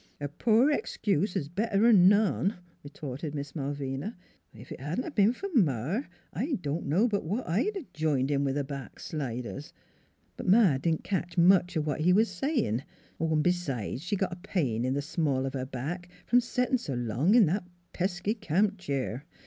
" A poor excuse 's better 'n' none," retorted Miss Malvina. " Ef it hadn't a ben f'r Ma I NEIGHBORS 275 don' know but what I'd a jined in with th' back sliders. But Ma didn't ketch much o' what he was sayin' ; an' b'sides she got a pain in th' small of her back from settin' s' long in that pesky camp cheer.